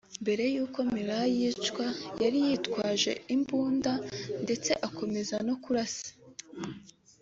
Mbere y’uko Merah yicwa yari yitwaje imbunda ndetse akomeza no kurasa